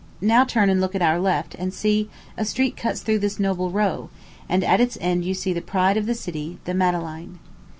Now turn and look at our left; and see, a street cuts through this noble row, and at its end you see the pride of the city, the Madeleine.